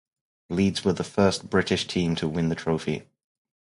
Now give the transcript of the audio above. Leeds were the first British team to win the trophy.